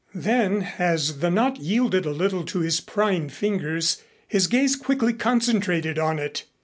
Then, as the knot yielded a little to his prying fingers, his gaze quickly concentrated on it.